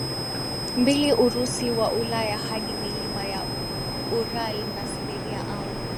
mbili Urusi wa Ulaya hadi milima ya Ural na Siberia au